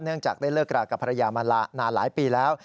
จากได้เลิกรากับภรรยามานานหลายปีแล้ว